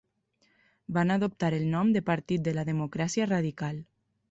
Van adoptar el nom de Partit de la Democràcia Radical.